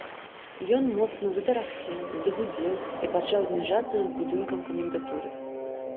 Ён моцна затарахцеў, загудзеў і пачаў зніжацца над будынкам камендатуры.